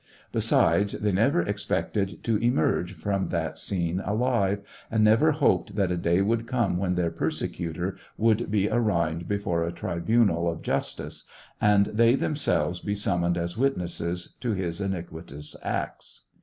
Besides, they never expected to emerge from that scene alive, and never hoped that a day would come when their persecutor should be arraigned before a tribunal of justice, and they themselves be summoned as witnesses to his iniquitonsacts.